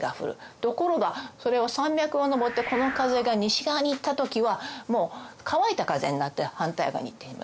ところがそれを山脈を登ってこの風が西側に行った時は乾いた風になって反対側に行ってるの。